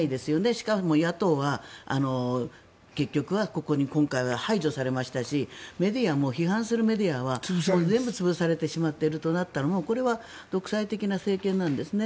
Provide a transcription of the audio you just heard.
しかも、野党が結局は今回は排除されましたしメディアも批判するメディアは全部潰されてしまっているとなったらもうこれは独裁的な政権なんですね。